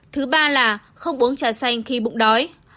thứ ba là không uống trà xanh khi bụng đói